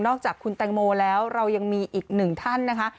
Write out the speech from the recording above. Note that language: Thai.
จากคุณแตงโมแล้วเรายังมีอีกหนึ่งท่านนะคะ